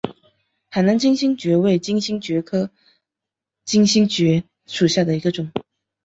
海南金星蕨为金星蕨科金星蕨属下的一个种。